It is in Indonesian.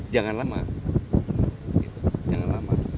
jangan lama jangan lama